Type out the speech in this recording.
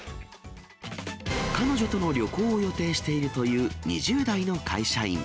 彼女との旅行を予定しているという２０代の会社員。